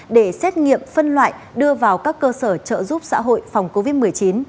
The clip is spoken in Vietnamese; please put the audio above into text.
để xét nghiệm phân loại đưa vào các cơ sở trợ giúp xã hội phòng covid một mươi chín